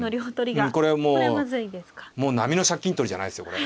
うんこれはもう並の借金取りじゃないですよこれ。